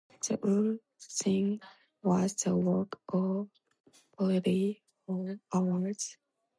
The whole thing was the work of barely four hours.